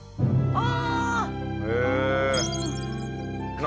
ああ！